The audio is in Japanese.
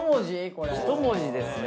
一文字ですね。